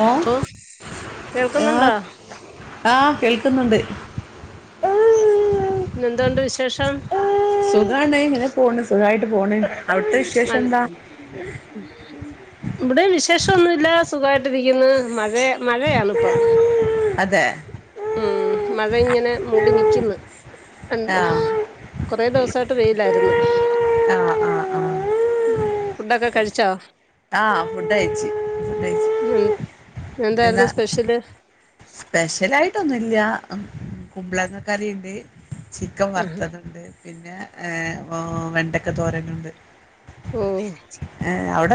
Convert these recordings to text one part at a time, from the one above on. ഹ ഓ കേൾക്കുന്നുണ്ടോ ആഹ് ആ കേൾക്കുന്നുണ്ട് പിന്നെന്തണ്ട് വിശേഷം സുഖാണ് ഇങ്ങനെ പോണ് സുഖായിട്ട് പോണ് അവിടുത്തെ വിശേഷം എന്താ ബടെ വിശേഷ ന്നുല്ല സുഖായിട്ടിരിക്കുന്നു മഴയ മഴയാണ്പ്പൊ അതെ ഉം മഴ ഇങ്ങനെ മൂടി നിക്കുന്നു ആ ആ എന്ത കൊറേ ദിവസമായിട്ട് വെയിലായിരുന്നു ആഹ് ആഹ് ആ ഫുഡൊക്കെ കഴിച്ചോ ആഹ ഫുഡ് കഴിച്ച് കഴിച്ചു ഉം ന്താ എന്തായിരുന്നു സ്പെഷ്യല് സ്പെഷ്യലായിട്ടൊന്നൂല്ല കുമ്പളങ്ങ കറിണ്ട് ചിക്കൻ ആഹ് വറുത്തതുണ്ട് പിന്നെ ആ വെ ണ്ടക്ക തോരനുണ്ട് ഓ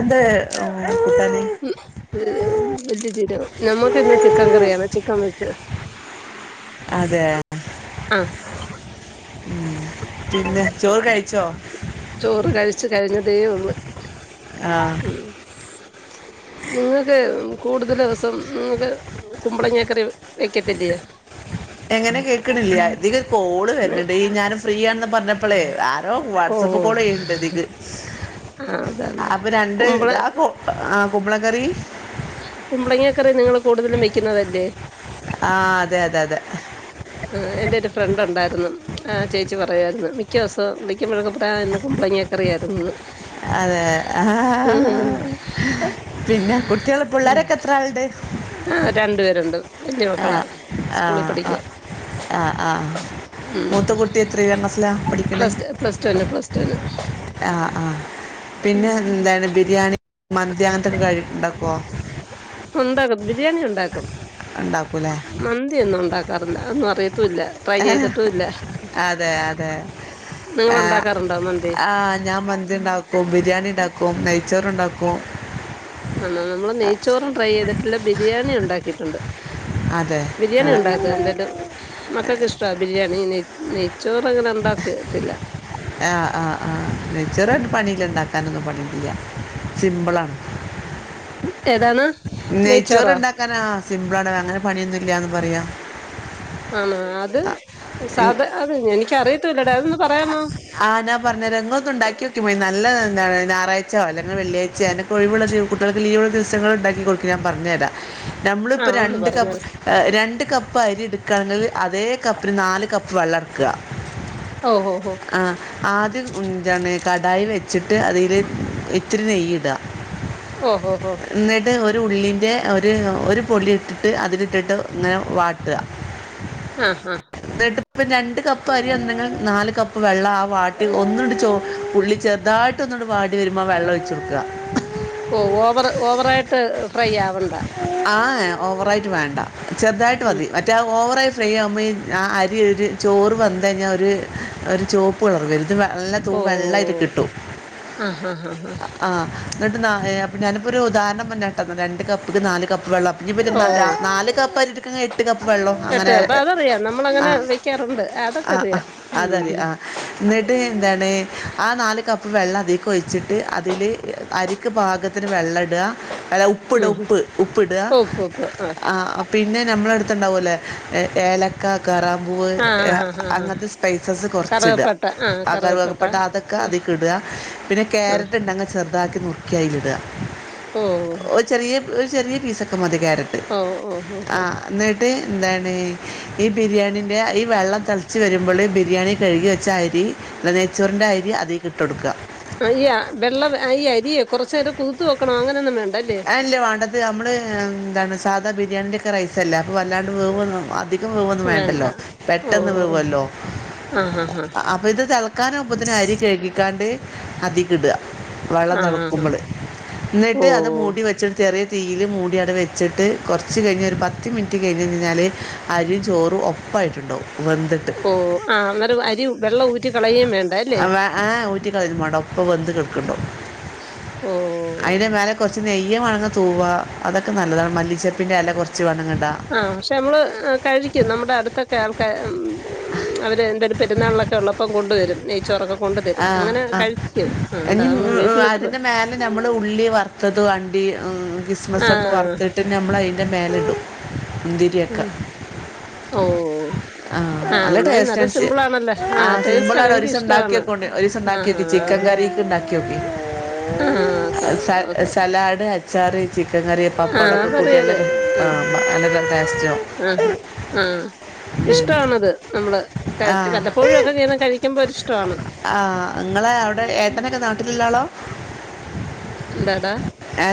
ന്തേ നമ്മുക്കിന്ന് ചിക്കൻ കറിയാണ് ചിക്കൻ വ അതേ ആഹ് ഉം പിന്നെ ചോറ് കഴിച്ചോ ചോറ് കഴിച്ചു കഴിഞ്ഞതേ ഉള്ളു ആഹ് ഉം നിങ്ങൾക്ക് കൂടുതൽ ദിവസം നിങ്ങക്ക് കുമ്പളങ്ങക്കറി വെക്കത്തില്ലയോ എങ്ങനെ കേൾക്ക്‌ണില്ല തിലൊരു കോള് വര്ണ് ണ്ട്‌ ഈ ഞാന് ഫ്രീ ആണെന്ന് പറഞ്ഞപ്പളെ ഓ വാട്സപ്പ് കോൾ ചെയ ആഹ് അതാണ് അൊ ര കുമ്പള ആ കൊള കറി കുമ്പളങ്ങക്കറി നിങ്ങള്ൾ കൂടുതലും വെക്കുന്നതല്ലേ ആ അതെ അതെ അതെ ആ എന്റെ ഒരു ഫ്രണ്ട് ഉണ്ടായിരുന്നു ആ ആഹ ചേച്ചി പറയമായിരുന്നു മിക്ക ദിവസം വിളിക്കുമ്പഴേക്കപ്പാ എന്നന്ന് കുമ്പളങ്ങേക്കറിയായിരുന്നുന്ന് അതെ ആ പിന്നെ കുട്ടികൾ പിള്ളേരൊക്കെ എത്ര ആളുണ്ട് ആ രണ്ടു പേരുണ്ട് വലയ മക്കളാ സ്കൂളിൽ പഠിക്കുക ആഹ ആഹ മൂത്ത കുട്ടി എത്ര ക്ലാസിലാ പഠിക്കണ പ്ലസ് ടു പ്ലസ് ടുവിന് പ്ലസ് ടുവിന് ആഹ ആഹ ഉം പിന്നെ എന്താണ് ബിരിയാണി മനുധാനത്തി കഴ ഉണ്ടാക്കും ബിരിയാണി ഉണ്ടാക്കും ഉണ്ടാക്കൂലേ മന്തി ഒന്നും ഉണ്ടാക്കും റില്ല ഒന്നും അറിയത്തല്ല ട്രൈ ചെയ്തിട്ടുംല്ല അതെ അതെ ഞാൻ മന്തി ഉണ്ടാക്കും ബിരിയാണി ഉണ്ടാക്കും നെയ്ച്ചോറ ഉണ്ടാക്കും ആണോ നമ്മള് നെയ്ച്ചോറും ട്രൈ ചെയ്തിട്ടില്ല ബിരിയാണി ഉണ്ടാക്കിയിട്ടുണ്ട് അതെ ബിരിയാണി ആഹ് ഉണ്ടാക്ക എന്തായാലും ൊക്കെ ഇഷ്ട ബിരിയാണി ന നെയ്ച്ചോറ് അങ്ങനെ ഉണ്ടാക്കത്തില്ല ആഹ ആഹ് ആഹ നച്ചറായിട്ട് പണിയില ഇണ്ടാക്കാനൊന്നും പണട്ടില്ല സിമ്പിള ആണ് ഉ നെയ്ച്ചോറ് ഇണ്ടാക്കാനാ സിംബ്ളട അങ്ങനെ പണിയൊന്നുംല്ലന്ന് പറയാ ആണ അത് സാധ അത് എനിക്ക അറിയത്തൂല്ലടാ അതൊന്ന് പറയാമോ ആഹ് ഞാ പറഞ്ഞ രങ്ങൊക്കെ ഉണ്ടാക്കി വെക്കും മ നല്ല എന്താണ് ഞറാഴ്ച അ അ വെള്ളാഴ്ച അക്ക ഒിവുള്ള കുട്ടികക്ക്ീവ ദിവസ ഉണ്ട പറഞ്ഞരാാ ആ നമ്മളിപ്പ ര ഒന്ന് ക് പറഞ്ഞേര് രണ്ട് കപ്പ് അരി എടുക്കുകയാണെങ്കിൽ അ ഒതേ കപ്പിന് നാല് കപ്പ് വളർക്കുക ഓ ഓ ഓ ആ ആദ്യം ഇന്താണ് കടായി വെച്ചിട്ട് അതിൽ ഇത്തിരി നെയ്യ് ഇടുക ഓ ഹോ ഹോ എന്നിട്ട് ഒരു ഉള്ളിറെ ഒരു ഒരു ഒരു പൊല്ലി ഇട്ടിട്ട് അതിലിട്ടിട്ട് ഇങ്ങനെ വാട്ടുക ആ ആ ട്ട രണ്ട് കപ്പ് അരി അന്തങ്ങ നാല് കപ്പ് വെള്ളം ആ വാട്ടിൽ ഒന്നുകടി ച ഉുള്ളി ചെറുതായിട്ട് ഒന്നോടി വാടി വരുമ്പോ ആ വെള്ള ഒഴിച്ചച്ച് കൊടുക്കുക ഓ ഓവർ ഓവറായിട്ട് ഫ്രൈ ആവണം ആഹ ഓവറായിട്ട് വേണ്ട ചെറുതായിട്ട് ഉം മതി മറ്റേ ഓവറായി് ശ്രീ അമ്മ ആ അരി ഒരു ചോറ് വന്ന കഴിഞ്ഞാൽ ഒരു ചുവപ്പ് വിളർവരുന്നു ഇത് വെള്ള തൂ ഓ വെള്ള ഇ കിട്ടു ആ ഹാ ഹാ ഹാ ആഹ എന്നിട്ട്ാ അപ്പ ഞാനിപ്പോൾ ഒരു ഉദാരണം വന്നട്ടായിന്നരുന്നു രണ്ട് കപ്പ്ക്ക് നാലല് കപ്പ് വെള്ളം ഇര ഓ നാല് കപ്പ് അരിടുക്ക എട്ട് കപ്പ് വെള്ളം കേട്ട് അങ്ങനെ അപ്പൊ അതറിയാം ആ നമ്മളങ്ങനെ വെക്കാറുണ്ട് അതൊക്കെ ആ് ആ അറിയാം ഉം അതറിയ ആ എന്നിട്ട് എന്താണ് ആ നാല് കപ്പ് വെള്ളം അത വച്ചിട്ട് അതില് അരി ഭാഗത്തിന് വെള്ള ഇട ഉപ്പട ഉം ഉം ഉപ്പ് ഉപ്പ്ടുക ഉപ്പ് ഉപ്പ് ആ പിന്നെ നമ്മള അടുത്തണ്ടാവുംല്ലേ ഏലക്ക കറാംമ്പൂവ് ആഹ് ഹാ ഹാ ഹാ അങ്ങനത്തെ സ്പൈസസ് കുറച്ച ഇടുക കറുവപ്പട്ട ആഹ് ആർ കറുവപ്പട്ട വക്കപ്പെട്ട അതൊക്കെ ആഹ് അതി ക ഇടുക പിന്നെ ആഹ് കക്ാരറ്റ് ഉണ്ടങ്ക ചെറുതാക്കി നക്ക കയിലട ഓ ഒരു ചെറിയ പീസൊക്കെ മതി ക്യാരറ്റ് ഓഹ് ഓഹ് ആ ഓഹ് എന്നിട്ട് എന്താണ് ഈ ബിരിയാണീൻ്റെ ഈ വെള്ളം തിളച്ച് വരുമ്പോൾ ഈ ബിരിയാണി കഴുകി വെച്ച അരി അല്ല നെയ്ച്ചൂറിന്റെ അയര് അ അയ്യ വെള്ള അയ്യ അരിയെ കൊറച്ച നേരം കുതിത്ത വെക്കണോ അങ്ങനെയൊന്നും വേണ്ട ആ ഇല്ലേ വേണ്ടത് നമ്മള് എന്താണ് സാധ അ ബിയാണിയി ഒക്കെ റസ അല്ല അപ്പൊ അല്ലാണ്ട് വം വന്ന് വേണ്ട വേണ്ടല്ലോ പെട്ടെന്ന് ഓഹ് വവല്ലോ ഓഹ് ആഹ് ഹാ ഹാ അപ്പൊ ഇത് തിളക്കാനാവുമ്പത്തിന് അരി കഴുകിക്കാണ്ട് അതിക്കിടുക വെള്ളം ആഹ് ഹാ ഹാ തെളകുംമ്പള് എന്നിട്ട് അത് മൂ ഓഹ് ചെറിയ തീയില് മൂടി അവ്ടെ വെച്ചിട്ട് കൊറച്ച് കഴിഞ്ഞ് ഒര് പത്ത് മിനിറ്റ് കഴിഞ്ഞരിഞ്ഞാല് അരിയും ചോറും ഒപ്പായിട്ടുണ്ടോ ഓ ആ അന്നരം അരി വെള്ളം ഊറ്റി കളേം വേണ്ടെ അ വേ ആ ഊറ്റി കളയൊന്നും വേണ്ടാ ഇപ്പ വെന്ത് കെടക്ക്ണ്ടാവും അയിന്റ ഓഹ് മേല കൊറച്ച് നെയ്യുമങ്ങ് തൂകഅതൊക്കെ നല്ലതാ മല്ലിച്ചെപ്പിന്റ എല കൊറച്ച് ആഹ് പശേ നമ്മള് കഴിക്കും നമ്മടെ അട്ത്ത്ക്ക ആ ഉം അവരെ പെരുന്നാളിലൊക്കെ ഒള്ളാപ്പം കൊണ്ട് വെരും നെയ്ച്ചോറാക്കേ ആഹ് ആഹ് ഇനി അല്ലാതെ നമ്മള് ഉം വീട്ടിലിട്ട് അതിന്റെ മേല നമ്മള് ഉള്ളി വറ്ത്തതും അണ്ടി ഉം കിസ്മസൊക്കെ ആഹ് വറ്ത്തിട്ട് നമ്മള് അയിൻ്റെ മേലെ ഇടും ഉം ഓ ആഹ് നല്ല എന്നാ ടേസ്റ്റ് സിമ്പിൾ ആണല്ലോ ആ ആഹ് ടേസ്റ്റ് ആണ് സിമ്പിളാണ് ഒരിസം ഒണ്ടാക്കി എനിക്കിഷ്ടമാണ് നോക്ക് ഒരിസം ഒണ്ടാക്കി ആഹ് നോക്ക് ചിക്കൻ ക്കറിക്കിണ്ടാക്കി നോക്കി ആഹ് ആഹ് സ ഓക്കെ ഓക്കെ സലാഡ്, അച്ചാർ, ചിക്കൻ കറി, ആഹ് പപ്പാടൊക്കെ കൂട്ടി അതറിയാം നല്ല അറിയാം ആഹ് ടേസ്റ്റാവും ആഹ് ആഹ് ഇഷ്ടാണത് നമ്മള് കഴി ആഹ് വല്ലപ്പോഴും ഒക്കെ ഇങ്ങനെ കഴിക്ക്മ്പോ ആഹ് നിങ്ങളെ അവിടെ ഏട്ടനൊക്കെ നാട്ടിലുള്ളാളാ ന്താടാ?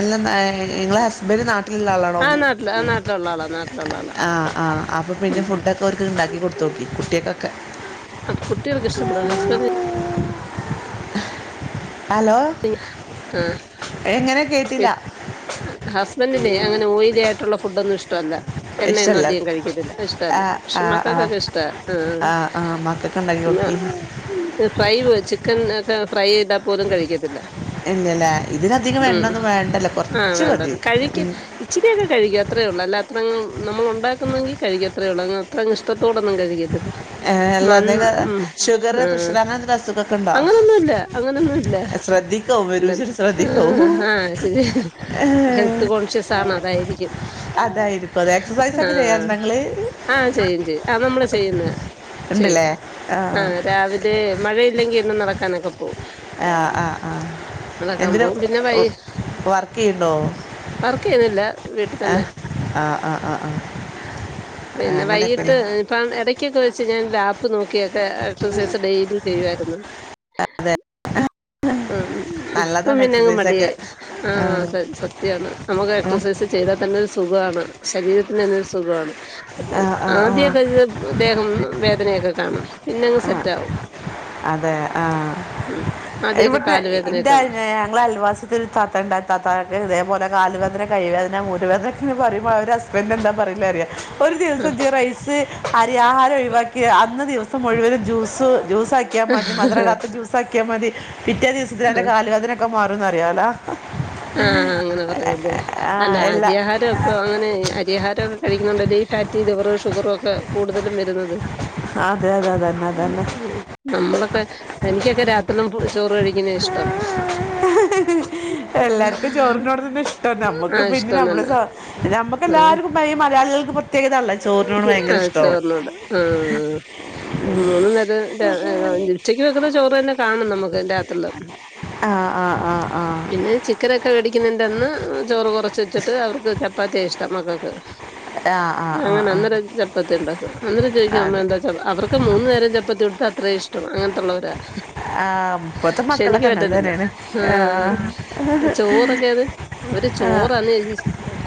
ല്ല ങ്ങളെ ഹസ്ബൻഡ് നാട്ടിലുള്ള ആഹ് ആളാണോന്ന് നാട്ടില് ആഹ് നാട്ടിലുള്ള ആളാ നാട്ടിലുള്ള ആളാ ആഹ് ആഹ് അപ്പ പിന്നെ ഉം ഫുഡ്ക്കെ ഓൽക്ക് ഉണ്ടാക്കി കൊടുത്ത് നോക്കി കുട്ടിയൊക്കെ അത് കുട്ടികൾക്ക് ഇഷ്ടപ്പെടുന്ന ഹസ്ബെൻ് ഹലോ എങ്ങനെ ആഹ് കേട്ടില്ല ഹസ്ബൻഡിനെ അങ്ങനെ ഓയിലി ആയിട്ടുള്ള ഫുഡൊന്നും ഇഷ്ടമല്ല എണ്ണയൊന്നും ഇഷ്ടമല്ല അധികം കഴിക്കത്തില്ല ഇഷ്ടല്ല ആ പക്ഷെ ആ ആ മക്കൾക്കൊക്കെ ഇഷ്ട ആ ആ മക്കൾക്ക് ഉണ്ടാക്കി കൊടുക്കി ഫ്രൈ പോ ചിക്കൻ ഒക്കെ ഫ്രൈ ചെയ്താ പോലും കഴിക്കത്തില്ല ഇല്ലല്ലേ ഇതിനധികം ഉം വേണ്ടൊന്നും വേണ്ടല്ലോ ആഹ് കുറച്ച് വേണ്ട മതി കഴിക്കും ഉം. ഇച്ചരിയൊക്കെ കഴിക്കാ അത്രേുള്ളൂ അല്ല അത്ര നമ്മള് ഉണ്ടാക്കുന്നെങ്കിൽ കഴിക്കും അത്രേ ഉള്ളൂ അ അത്രങ്ങ് ഇഷ്ടത്തോടൊന്നും കഴിക്കത്തില്ല ഏ, അല്ല മ എന്തെങ്കിലും ഉം ഷുഗർ ആ പ്രഷർ അങ്ങനത്തെ അസുഖമൊക്കെ ഉണ്ടോ അങ്ങനൊന്നുമല്ല അങ്ങനൊന്നുംല്ല ശ്രദ്ധിക്കും എന്ന രുചിയുടെ ശ്രദ്ധിക്കും ആഹ് ശരി ഹെൽത്ത് കോൺഷ്യസ് ആണ് അതായിരിക്കും. അതായിരിക്കും അ എക്സർസൈസ് ഒക്കെ ചെയ്യാറുണ്ടോ ഇങ്ങള് ആഹ് ചെയ്യും ചെയ്യും ആ നമ്മള് ചെയ്യുന്ന ചെയ്യും ആ രാവിലെ മഴയില്ലെങ്കിൽ എന്നും നടക്കാനൊക്കെ പോകും ആഹ് ആഹ് ആഹ് നടക്കാൻ എന്തിന പോകും പിന്നെ വൈ വർക്ക് ചെയ്യണ്ടോ വർക്ക് ചെയ്യുന്നില്ല വീട്ടിൽ തന്നെ ആഹ് ആഹ് ആഹ് ആഹ് ആഹ് പിന്നെ വൈകിട്ട് അങ്ങനെയൊക്കെല്ലേ ഇപ്പം എട ടക്കൊക്കെ വെച്ച് ഞാൻ ലാപ്പ് നോക്കിയൊക്കെ എക്സസൈസ് ഡെയിലി ചെയ്യുമായിരുന്നു. ആ ഇപ്പം നല്ലതാണ് പിന്നെങ്ങ് എക്സസൈസൊക്കെ മടിയായി ആഹ് ആ സത്യാണ് നമുക്ക് ഉം എക്സസൈസ് ചെയ്താ സുഖാണ് ശരീര കുന്നൊരു സുഖമാണ് ആഹ് ആഹ് ആഹ് ആദ്യൊക്കെ ദ്ദേഹം വേദനയൊക്കെ കാണും പിന്നെങ്ങ് ആഹ് സെറ്റാവും. അതെ ആ ആദ്യമൊക്കെ ഇവിട്ന്ന് കാലുവേദനയൊക്കെ ആണ് ഞങ്ങളെ അയൽവാസി ത്തി ഒരു താത്തണ്ട് താത്ത ഇതേപോലെ കാല് വേദന കൈ അതിന് ഞാൻ ഊര വേദനാക്കെ പറയ്മ്പോ ൻ്റെ ഹസ്ബൻഡ് എന്താ പറയല് അറിയോ ഒരു ദിവസം ജ് റൈസ് അരി ആഹാരം ഒഴിവാക്കിയ അന്ന് ദിവസം മുഴുവനും ജ്യൂസ് ജ്യൂ അക്കിയാൽ മതി മധുംടാത്ത ജൂസാ ക്കിയാൽ മതി പിറ്റേ ദിവസത്തിൽ അൻ്റെ ആഹ് കാല് വേദനൊക്കെ മാറും അറിയും ആഹ് അങ്ങനെ പറഞ്ഞുല്ലേ അല്ല ആഹ് എല്ലാ അരിഹാരം ഇപ്പൊ അങ്ങനെ അരിഹാരം കഴിക്കണണ്ടല്ല ഈ ഫാറ്റി ലിവറ് ഷുഗറും ഒക്കെ കൂടുതലും വരുന്നത് അതെ അതെ അതന്നെ അതന്നെ നമ്മളൊക്കെ എനിക്കൊക്കെ രാത്രിയും ചോറ് കഴിക്കണ ഇഷ്ടം എല്ലാവർക്കും ചോറിനോട് തന്നെ ഇഷ്ടം നമ്മുക്ക് ആഹ് പിന്നെ ഇഷ്ടം നമ്മുടെ തന്നെ നമ്മുക്ക് എല്ലാവർക്കും ഈ മലയാളികൾക്ക് പ്രത്യേകത അല്ല [unintelligible] ചോറിനോട് ത് ഭയങ്കര ആഹ ഇഷ്ടവും ചോർന്നോട ആ ആ മൂന്നന്നരം ഉച്ചയ്ക്ക് വെക്കുന്ന ചോറ് തന്നെ കാണും നമുക്ക് രാത്രി ആഹ ആഹ് ആഹ് ആഹ പിന്നെ ചിക്കനൊക്കെ വേടിക്കുന്നുണ്ട്ന്ന് ചോറ് കുറച്ച് വെച്ചിട്ട് അവർക്ക് ചപ്പാത്തിയ ഇഷ്ടം മക്കൾക്ക് ആഹ് അങ്ങനെ അന്നേം ചപ്പത്തി ഉണ്ടാക്കും അന്നരം ചോദിക്കമ്മ അതെ എന്താ അവർക്ക് മൂന്ന നേരം ചപ്പത്തി കൊടുത്ത അത്രേ ഇഷ്ടം ും അങ്ങനത്തുള്ളവരാ ആ ഇപ്പത്തെ പക്ഷെ എനിക്ക് മക്കളൊക്കെ അങ്ങനെ പറ്റത്തില്ല തന്നെയാണ് ആ ചോറൊക്കെ അത് അവര് ആ ചോറന്ന്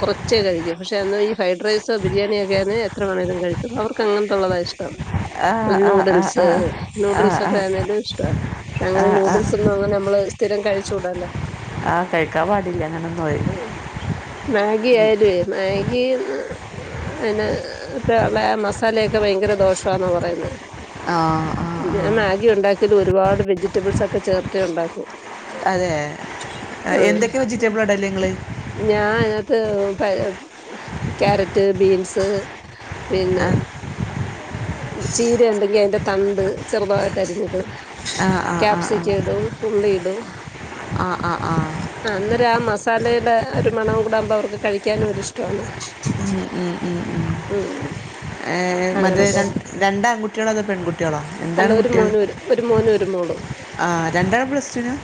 കൊറച്ചൊക്കെ പക്ഷെ അ ഈ ഫൈഡ്റൈസോ ബിരിയാണിയൊക്കൊണ് എത്ര വേണേങ്കിലും കഴിച്ചത് അവർക്ക് അങ്ങനത്തെുള്ളത ഇഷ്ടം ആ ആ ആ നൂഡിൽസ് ആ നൂഡിൽസ് ഒക്കെ ആണേലും ഇഷ്ട അങ്ങനെ നൂഡിൽസ് ഒന്നും അങ്ങനെ നമ്മള് സ്ഥിരം കഴിച്ച ചൂടല്ലോ ആഹ് കഴിക്കാൻ പാടില്ല അങ്ങനന്നും മാഗി ആയാലൊ മാഗിന്ന് അയ്ന് ഇപ്പ ലെ മസാലയൊക്കെ ഭയങ്കര ദോഷാന്നാ പറയുന്നെ ആ ആ ആ ഞ മാഗി ഉണ്ടാക്ക്യത് ഒരുപാട് വെജിറ്റബിൾസ് ഒക്കെ ചേർത്തെ ഉണ്ടാക്കും അതെ ആ, ആഹ് എന്തൊക്കെ വെജിറ്റബിൾ ഇടല്ലേ നിങ്ങള് ഞാൻ അയ്നത്ത് ക്യാരറ്റ് ബീൻസ് പിന്നെ ആ ചീര ഇണ്ടെങ്കി അതിന്റെ തണ്ട് ചെറുതായിട്ട് അരിഞ്ഞിടും ആ ആ ക്യാപ്സിക് ഇടും ഉള്ളി ഇടും ആഹ്ആഹ് ആഹ് ആ മസാലയുടെ ഒരു മണ ഉംകൂടാ ഉമ്പോ അവർക്ക് കഴിക്കാനൊരി ഷ്ടാണ് ഉം ഏഹ് മറ്റെ അങ്ങനൊക്കെ രണ്ട് ആൺകുട്ട്യേളോ അതോ പെൺകുട്ട്യേളോ അല്ല എന്താണ് ഒരു കുട്ട്യേൾ മോനും ഒരു ഒരു മോനും ഒരു മോളും. ആ രണ്ടാള് പ്ലസ് റ്റു നും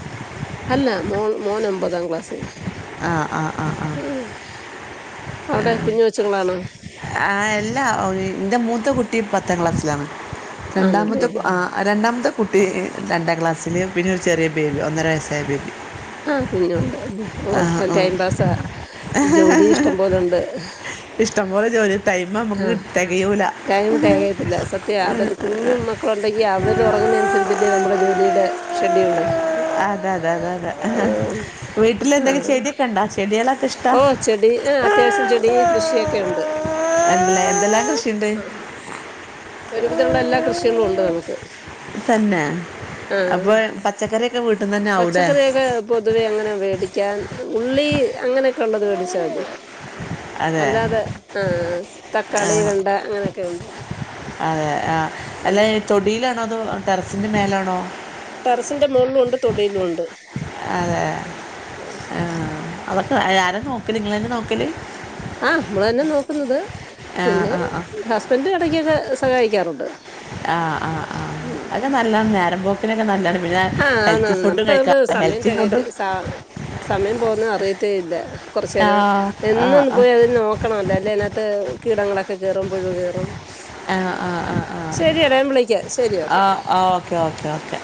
മോള് മോൻ ഒൻമ്പതാം ക്ലാസ് ആഹ്ആഹ് ആഹ് ആഹ് ഔടെ കുഞ്ഞുവച്ച്കളാണോ ആഹ് എല്ലാ ഇന്റെ മൂത്ത കുട്ടി പത്താം ക്ലാസ്സിലാണ് രണ്ടാമത്തെ ആണല്ലേ ആ രണ്ടാമത്തെ കുട്ടി രണ്ടാം ക്ലാസ്സിൽ പിന്നെ ഒരു ചെറിയ ബേബി ഒന്നര വയസ്സായ ബേബി ആ കുഞ്ഞുണ്ട് ഓ ആ അപ്പ ആ ടൈം പാസ്സാ ജോലി ഇഷ്ടം പോലെ ഉണ്ട് ഇഷ്ടംപോലെ ജോലി ടൈം ആ നമുക്ക് കി- തികയൂല ടൈം തികയത്തില്ല സത്യ അവര് കുഞ്ഞു മക്കള ഉണ്ടെങ്കി അവർ ഒറങ്ങുന്ന അനുസരിച്ചല്ലേ നമ്മുടെ ജോലിയുടെ ഷെഡ്യൂള് അതെ അതെ അതെ അതെ ആഹ് വീട്ടിൽ എന്തെങ്കിലും ആഹ് ചെട്യക്കെ ഉണ്ടാ ചെടി ഓ ചെടി ആ അത്യാവശ്യം ചെടി കൃഷിയൊക്കെ ഉണ്ട് [inaudible] അല്ല എന്തെല്ലാം കൃഷിണ്ട് ഒരുവിധള്ള എല്ലാ കൃഷികളും ഉണ്ട് നമുക്ക് തന്നെ ആഹ് അപ്പൊ പച്ചക്കറിക്കെ പച്ചക്കറിയൊക്കെ പൊതുവെ അങ്ങനെ വേടിക്കാൻ ഉള്ളി അങ്ങനെ കോള്ളത് വേടിച്ചാ മതി അതെ അല്ലാതെ ആഹ് ആ തക്കാളി വെണ്ട അങ്ങനെയൊക്കെ ഉണ്ട് അതെ ആ അല്ല ഉം തൊടിയിലാണോ അതോ ടെറസിൻ്റെ മേലാണോ ടെറസിന്റെ മോളിലും ഉണ്ട് തൊടിലും ഉണ്ട് അതെ ആഹ് ആഹ് അതൊക്കെ ആര നോക്കല് ഇങ്ങളെന്നെ നോക്കല് ആഹ് മ്മളെന്നെ നോക്ക്ന്നത് ആ പിന്നെ ആ ആ ഹസ്ബൻഡ് എടക്കൊക്കെ സഹായിക്കാറുണ്ട് ആഹ് ആഹ് ആഹ് ഉം അക്കെ നല്ലാണ് നോരംമ്പോക്കിനൊക്കെ നല്ലാണ് ആഹ് ആന്നാ ന്ന് നമുക്ക് അതിന്റെ സമയം തെക ഫുഡും സ സമയം പോക്ന്നെ അറിയത്തേ ഇല്ല ആ കൊറച്ചേരം ആ എന്നൊന്നു ആ പോയി അതി നോക്കണല്ലോഅല്ലെ അതിനകത്ത് കീടങ്ങളൊക്കെ കെറും പുഴു കെറും. ആ ആ ആ ആ ശെരി അടാ വിളിക്കാം. ശെരി ആ ഓക്കെ. ആ ഓക്കെ ഓക്കെ ഓക്കെ